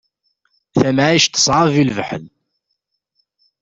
Tamɛict teṣɛeb i lefḥel.